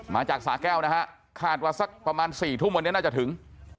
สาแก้วนะฮะคาดว่าสักประมาณ๔ทุ่มวันนี้น่าจะถึง